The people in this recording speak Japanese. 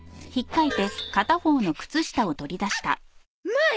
まあ！